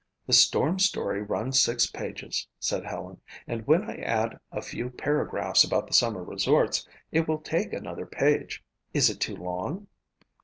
"The storm story runs six pages," said Helen, "and when I add a few paragraphs about the summer resorts, it will take another page. Is it too long?"